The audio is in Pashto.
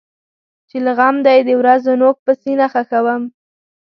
چې له غم دی د ورځو نوک په سینه خښوم.